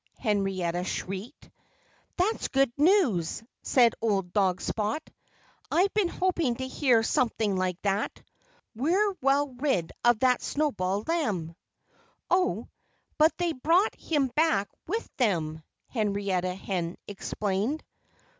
Henrietta shrieked. "That's good news," said old dog Spot. "I've been hoping to hear something like that. We're well rid of that Snowball Lamb." "Oh! But they brought him back with them!" Henrietta Hen explained.